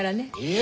え？